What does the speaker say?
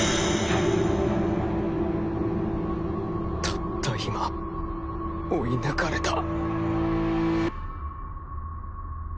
たった今追い抜かれた